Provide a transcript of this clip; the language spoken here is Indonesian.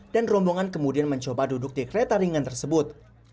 dan rombongan kemudian mencoba duduk di kereta ringan tersebut